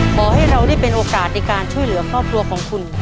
ขอให้เราได้เป็นโอกาสในการช่วยเหลือครอบครัวของคุณ